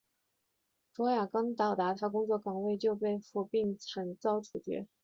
卓娅刚到达她工作岗位就被俘并遭处决。